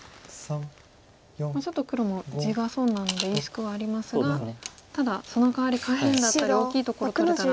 ちょっと黒も地が損なのでリスクはありますがただそのかわり下辺だったり大きいところ取れたら。